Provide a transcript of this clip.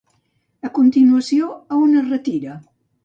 A continuació, a on es retira?